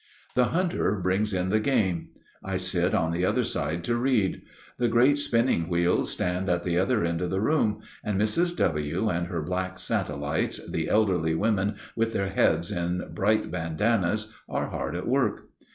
The hunter brings in the game. I sit on the other side to read. The great spinning wheels stand at the other end of the room, and Mrs. W. and her black satellites, the elderly women with their heads in bright bandanas, are hard at work.